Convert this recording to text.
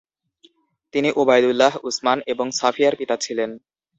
তিনি উবায়দুল্লাহ, উসমান এবং সাফিয়ার পিতা ছিলেন।